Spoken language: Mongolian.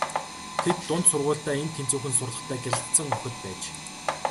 Тэд дунд сургуульдаа эн тэнцүүхэн сурлагатай гялалзсан охид байж.